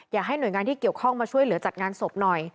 อยากให้หน่วยงานที่เกี่ยวข้องมาช่วยเหลือจัดงานศพหน่อย